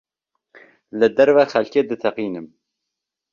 Li derve xelkê diteqînin.